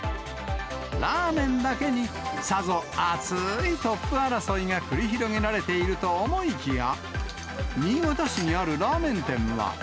ラーメンだけに、さぞ熱いトップ争いが繰り広げられていると思いきや、新潟市にあるラーメン店は。